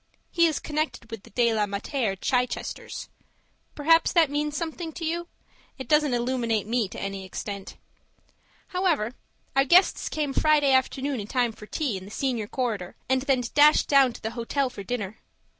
He is connected with the De la Mater Chichesters. Perhaps that means something to you? It doesn't illuminate me to any extent. However our guests came Friday afternoon in time for tea in the senior corridor, and then dashed down to the hotel for dinner.